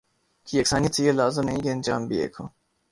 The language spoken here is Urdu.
کی یکسانیت سے یہ لازم نہیں کہ انجام بھی ایک ہو